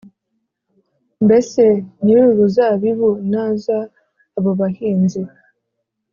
Mbese nyir uruzabibu naza abo bahinzi